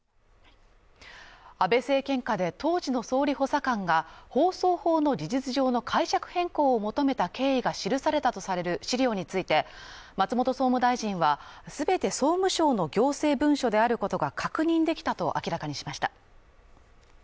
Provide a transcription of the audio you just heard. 安倍政権下で当時の総理補佐官が放送法の事実上の解釈変更を求めた経緯が記されたとされる資料について松本総務大臣は全て総務省の行政文書であることが確認できたと明らかにしました。